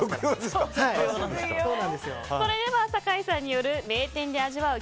それでは坂井さんによる名店で味わう